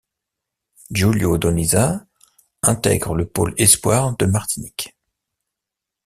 Julio Donisa intègre le pôle espoir de Martinique.